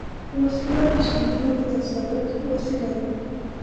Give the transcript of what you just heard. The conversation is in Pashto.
وسله د شتمنو د تسلط وسیله ده